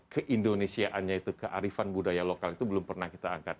keindonesiaannya itu kearifan budaya lokal itu belum pernah kita angkat